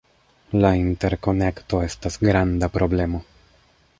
La interkonekto estas granda problemo.